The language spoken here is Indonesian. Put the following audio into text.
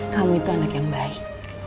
kamu itu anak yang baik